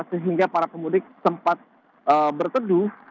sehingga para pemudik sempat berteduh